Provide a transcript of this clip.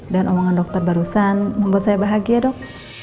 dan omongan dokter barusan membuat saya bahagia dok